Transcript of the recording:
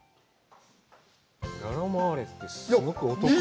ララマーレって、すごくお得だよね。